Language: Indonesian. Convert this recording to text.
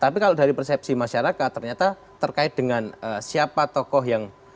tapi kalau dari persepsi masyarakat ternyata terkait dengan siapa tokoh yang